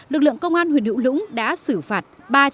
lực lượng công an huyện hữu lũng đã xử phạt ba trăm hai mươi chín